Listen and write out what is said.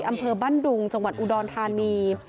อำเภอบ้านดุงจังหวัดอุดรธานี